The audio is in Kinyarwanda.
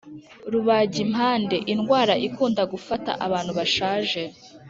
rubagimpande: indwara ikunda gufata abantu bashaje.